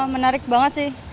menarik banget sih